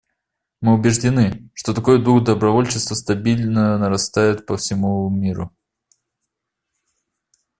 Мы убеждены, что такой дух добровольчества стабильно нарастает по всему миру.